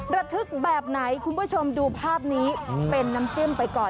ระทึกแบบไหนคุณผู้ชมดูภาพนี้เป็นน้ำจิ้มไปก่อน